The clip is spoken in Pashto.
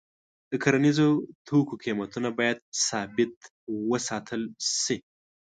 د کرنیزو توکو قیمتونه باید ثابت وساتل شي.